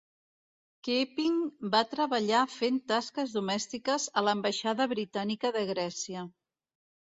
Keeping va treballar fent tasques domèstiques a l'ambaixada britànica de Grècia.